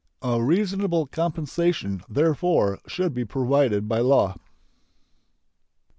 A reasonable compensation therefor should be provided by law.